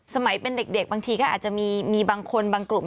สมัยเป็นเด็กบางทีก็อาจจะมีบางคนบางกลุ่ม